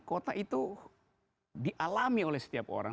kota itu dialami oleh setiap orang